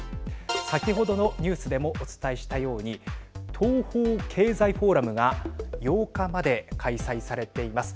先ほどのニュースでもお伝えしたように東方経済フォーラムが８日まで開催されています。